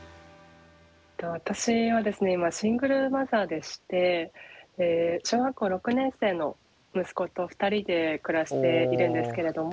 私はですね今シングルマザーでして小学校６年生の息子と２人で暮らしているんですけれども。